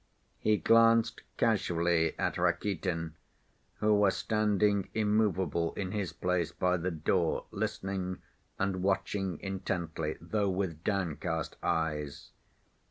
He glanced casually at Rakitin, who was standing immovable in his place by the door listening and watching intently though with downcast eyes.